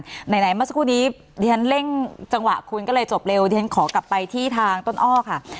ในนี้ในนี้เมื่อสักครู่หนีแดดเล่งจังหวะคุณก็เลยจบเร็วทีนั้นขอกลับไปที่ทางต้นอ้อค่ะ